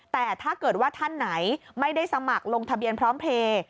แต่ถ้าเกิดว่าท่านไหนไม่ได้สมัครลงทะเบียนพร้อมเพลย์